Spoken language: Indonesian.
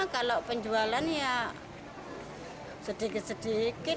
kalau penjualan ya sedikit sedikit